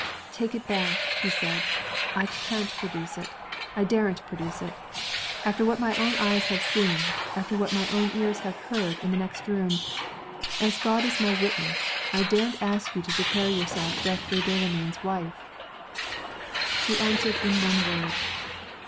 "Take it back," he said. "I can't produce it! I daren't produce it! After what my own eyes have seen, after what my own ears have heard, in the next room as God is my witness, I daren't ask you to declare yourself Geoffrey Delamayn's wife!" She answered him in one word.